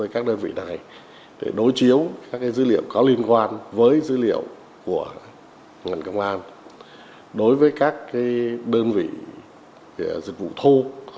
các dữ liệu có liên quan với dữ liệu của ngành công an đối với các đơn vị dịch vụ thô